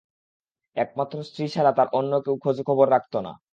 একমাত্র স্ত্রী ছাড়া অন্য কেউ তার খোঁজ-খবর রাখত না।